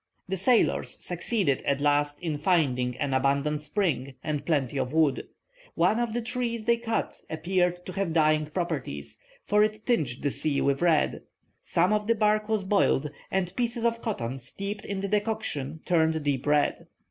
The sailors succeeded at last in finding an abundant spring, and plenty of wood. One of the trees they cut appeared to have dyeing properties, for it tinged the sea with red. Some of the bark was boiled, and pieces of cotton steeped in the decoction turned deep red.